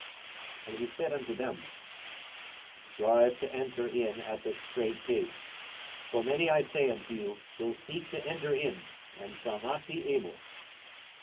And he said unto them, 42:013:024 Strive to enter in at the strait gate: for many, I say unto you, will seek to enter in, and shall not be able.